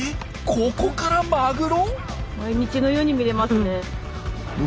ここからマグロ！？